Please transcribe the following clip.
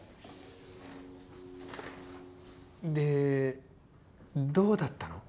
でどうだったの？